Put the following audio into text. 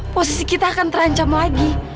posisi kita akan terancam lagi